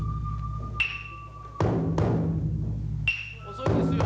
遅いですよ。